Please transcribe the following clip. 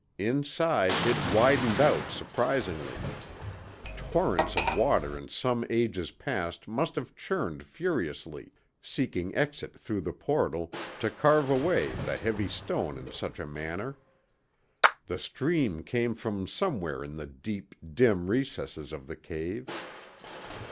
Inside, it widened out surprisingly. Torrents of water in some ages past must have churned furiously, seeking exit through the portal, to carve away the heavy stone in such a manner. The stream came from somewhere in the deep, dim recesses of the cave.